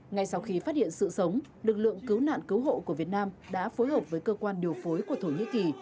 ngay sau khi phát hiện sự sống lực lượng cứu nạn cứu hộ của việt nam đã phối hợp với cơ quan điều phối của thổ nhĩ kỳ